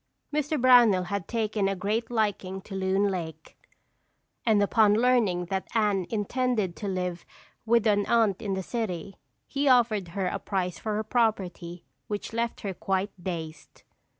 Mr. Brownell had taken a great liking to Loon Lake and upon learning that Anne intended to live with an aunt in the city, he offered her a price for her property which left her quite dazed.